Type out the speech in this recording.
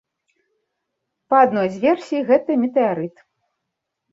Па адной з версій, гэта метэарыт.